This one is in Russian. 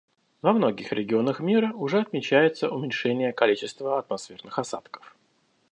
Во многих регионах мира уже отмечается уменьшение количества атмосферных осадков.